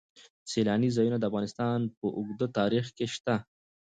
سیلاني ځایونه د افغانستان په اوږده تاریخ کې شته.